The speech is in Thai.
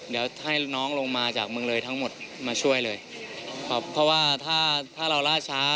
เดี๋ยวให้น้องลงมาจากเมืองเลยทั้งหมดมาช่วยเลยครับเพราะว่าถ้าถ้าเราล่าช้า